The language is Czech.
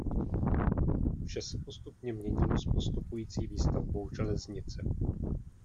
Vše se postupně měnilo s postupující výstavbou železnice.